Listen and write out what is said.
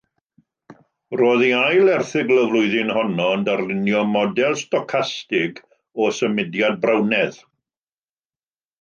Roedd ei ail erthygl y flwyddyn honno yn darlunio model stocastig o symudiad Brownaidd.